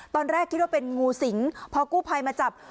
ตอนแรกคิดว่าเป็นงูสิงพอกู้ภัยมาจับ